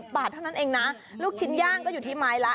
บาทเท่านั้นเองนะลูกชิ้นย่างก็อยู่ที่ไม้ละ